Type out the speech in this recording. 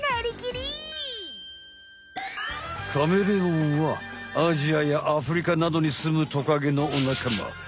カメレオンはアジアやアフリカなどにすむトカゲのおなかま。